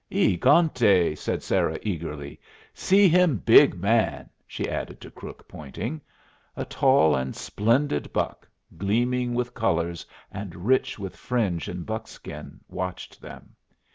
"E egante!" said Sarah, eagerly. "See him big man!" she added to Crook, pointing. A tall and splendid buck, gleaming with colors, and rich with fringe and buckskin, watched them.